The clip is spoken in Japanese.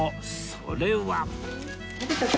それは